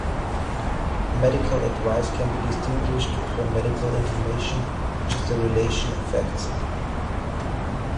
Medical advice can be distinguished from medical information, which is the relation of facts.